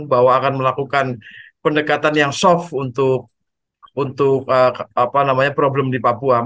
bahwa akan melakukan pendekatan yang soft untuk problem di papua